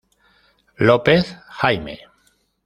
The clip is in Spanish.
López, Jaime.